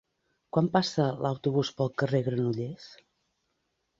Quan passa l'autobús pel carrer Granollers?